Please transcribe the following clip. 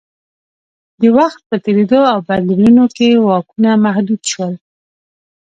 د وخت په تېرېدو او بدلونونو کې واکونه محدود شول